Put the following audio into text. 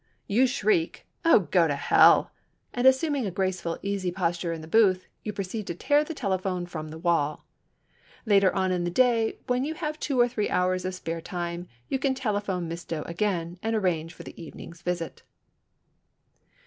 You shriek, "Oh, go to hell!" and assuming a graceful, easy position in the booth, you proceed to tear the telephone from the wall. Later on in the day, when you have two or three hours of spare time, you can telephone Miss Doe again and arrange for the evening's visit.